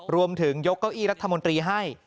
ยกเก้าอี้รัฐมนตรีให้